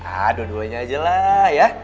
ah dua duanya aja lah ya